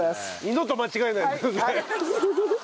二度と間違えないで。